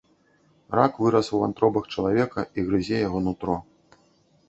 Рак вырас у вантробах чалавека і грызе яго нутро.